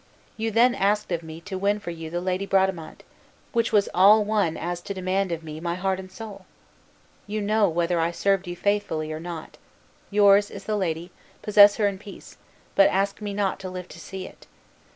You then asked of me to win for you the lady Bradamante, which was all one as to demand of me my heart and soul. You know whether I served you faithfully or not. Yours is the lady; possess her in peace; but ask me not to live to see it.